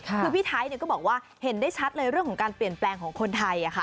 คือพี่ไทยก็บอกว่าเห็นได้ชัดเลยเรื่องของการเปลี่ยนแปลงของคนไทย